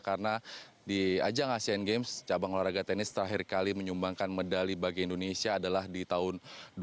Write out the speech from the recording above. karena di ajang asean games cabang olahraga tenis terakhir kali menyumbangkan medali bagi indonesia adalah di tahun dua ribu dua